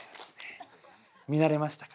見慣れましたか？